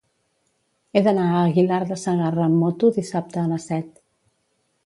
He d'anar a Aguilar de Segarra amb moto dissabte a les set.